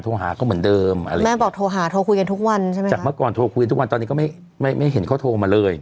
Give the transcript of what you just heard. จากเมื่อก่อนโทรคุยกันทุกวันตอนนี้ก็ไม่เห็นเขาโทรมาเลย